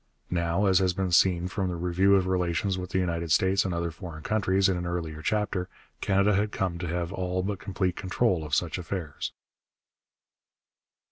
Now, as has been seen from the review of relations with the United States and other foreign countries in an earlier chapter, Canada had come to have all but complete control of such affairs.